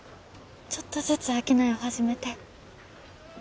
ちょっとずつ商いを始めて。